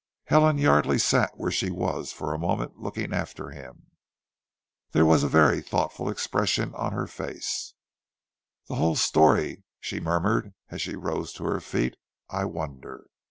Helen Yardely sat where she was for a moment looking after him. There was a very thoughtful expression on her face. "The whole story!" she murmured as she rose to her feet. "I wonder?